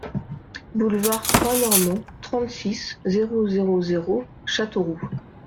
Boulevard Croix-Normand, trente-six, zéro zéro zéro Châteauroux